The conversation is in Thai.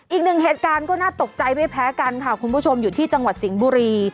อีกหนึ่งเหตุการณ์ก็น่าตกใจไม่แพ้กันค่ะคุณผู้ชมอยู่ที่จังหวัดสิงห์บุรี